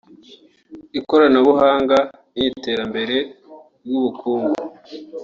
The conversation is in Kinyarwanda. ikoranabuhanga n’iy’iterambere ry’ubukungu